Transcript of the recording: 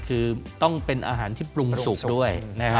คือต้องเป็นอาหารที่ปรุงสุกด้วยนะฮะ